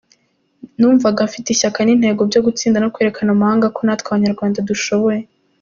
Numvaga mfite ishyaka n’intego byo gutsinda no kwereka amahanga ko natwe Abanyarwanda dushoboye.